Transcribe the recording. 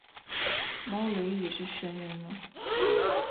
猫雷也是神人了